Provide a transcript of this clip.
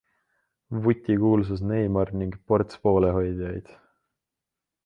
Vutikuulsus Neymar ning ports poolehoidjaid.